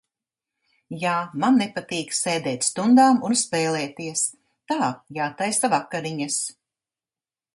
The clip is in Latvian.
Jā, man nepatīk sēdēt stundām un spēlēties. Tā, jātaisa vakariņas.